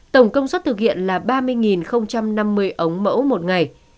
tổng công suất thực hiện là ba mươi năm mươi ống mẫu một ngày